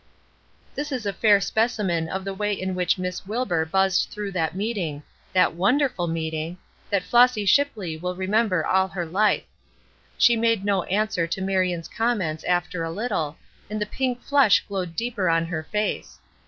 This is a fair specimen of the way in which Miss Wilbur buzzed through that meeting that wonderful meeting, that Flossy Shipley will remember all her life. She made no answer to Marion's comments after a little, and the pink flush glowed deeper on her face.